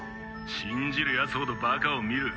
信じるやつほどバカを見る。